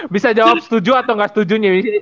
bisa jawab setuju atau nggak setujunya ini